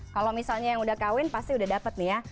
kalau misalnya yang sudah kawin pasti sudah dapat nih ya